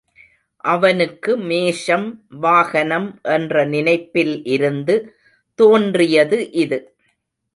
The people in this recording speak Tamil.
அவனுக்கு மேஷம் வாகனம் என்ற நினைப்பில் இருந்து தோன்றியது இது.